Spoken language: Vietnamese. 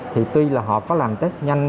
thì tuy là họ có làm test nhanh